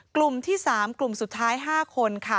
กลุ่มที่๓กลุ่มสุดท้าย๕คนค่ะ